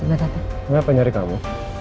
itu ibunya dari lu